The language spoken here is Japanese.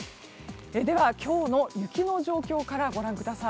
では今日の雪の状況からご覧ください。